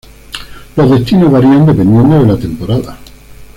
Los destinos varían dependiendo de la temporada.